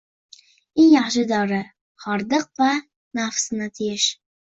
Eng yaxshi dori – xordiq va nafsni tiyish.